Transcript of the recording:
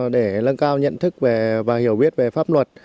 để lâng cao nhận thức và hiểu biết về pháp luật